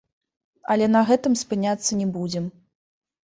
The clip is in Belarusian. Але на гэтым спыняцца не будзем.